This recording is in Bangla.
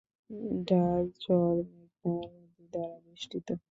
ডাল চর মেঘনা নদী দ্বারা বেষ্টিত।